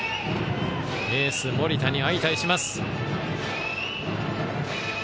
エース、盛田に相対します。